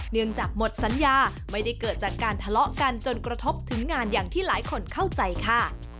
เนื่องจากหมดสัญญาไม่ได้เกิดจากการทะเลาะกันจนกระทบถึงงานอย่างที่หลายคนเข้าใจค่ะ